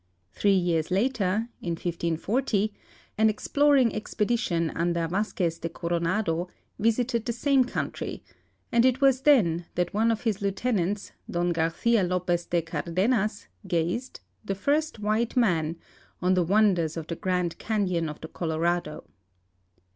Three years later (in 1540) an exploring expedition under Vasquez de Coronado visited the same country, and it was then that one of .his lieutenants, Don Garcia Lopez de Cardenas, gazed — the first white man — on the wonders of the Grand Canon of the Colorado.